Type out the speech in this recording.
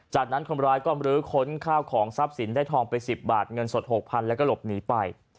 จากนั้นคนร้ายก็มรื้อค้นข้าวของทรัพย์สินได้ทองไป๑๐บาทเงินสด๖๐๐๐แล้วก็หลบหนีไป